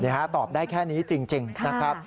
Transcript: เนี่ยฮะตอบได้แค่นี้จริงนะครับ